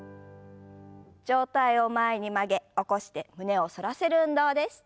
上体を前に曲げ起こして胸を反らせる運動です。